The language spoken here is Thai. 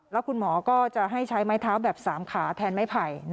แล้วคุณหมอก็จะให้ใช้ไม้เท้าแบบ๓ขาแทนไม้ไผ่